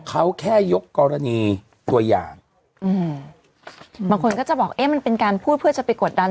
เขาแค่ยกกรณีตัวอย่างอืมบางคนก็จะบอกเอ๊ะมันเป็นการพูดเพื่อจะไปกดดัน